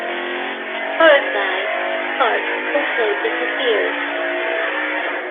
Horrified, Gart also disappears.